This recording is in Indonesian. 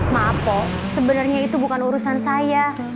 maaf poh sebenernya itu bukan urusan saya